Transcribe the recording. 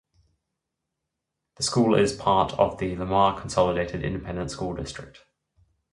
The school is part of the Lamar Consolidated Independent School District.